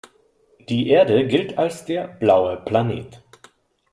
Die Erde gilt als der „blaue Planet“.